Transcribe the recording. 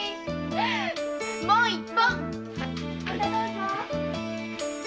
もう一本。